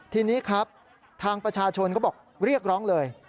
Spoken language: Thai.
ทีนี้ครับทางประชาชนก็บอกเรียกร้องเลย